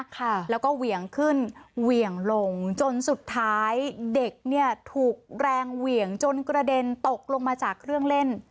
ค่ะแล้วก็เหวี่ยงขึ้นเหวี่ยงลงจนสุดท้ายเด็กเนี่ยถูกแรงเหวี่ยงจนกระเด็นตกลงมาจากเครื่องเล่น